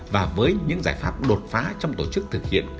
và với những giải pháp đột phá trong tổ chức thực hiện